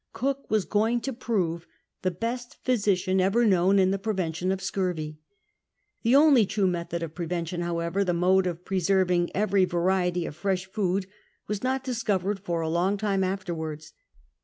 Cook was going to prove the best physician ever known in the prevention of scurvy. The only tnie method of prevention, how ever, the mode of preserving every variety of fresh food, was not discovered for a long time afterwards.